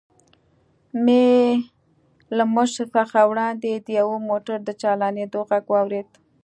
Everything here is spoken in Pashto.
مې له موږ څخه وړاندې د یوه موټر د چالانېدو غږ واورېد.